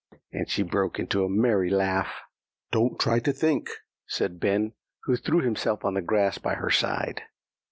and she broke into a merry laugh. "Don't try to think," said Ben, who threw himself on the grass by her side.